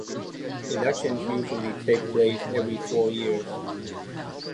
Elections usually take place every four years.